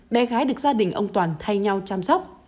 bé gái được gia đình ông toàn thay nhau chăm sóc